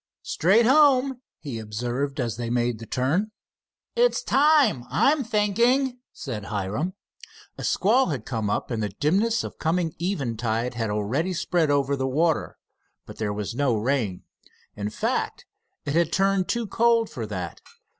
"Straight home," he observed, as they made the turn. "It's time, I'm thinking," said Hiram. A squall had come up, and the dimness of coming eventide had already spread over the water, but there was no rain. In fact, it had turned too cold for that.